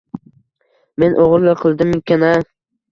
Men o‘g‘irlik qildimmikin a